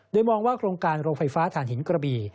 โดยมองว่าโครงการโรงไฟฟ้าฐานหินกระบี่